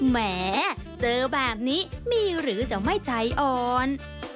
แหมเจอแบบนี้มีหรือจะไม่ใจอ่อน